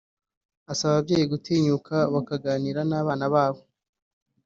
asaba ababyeyi gutinyuka bakaganira n’abana babo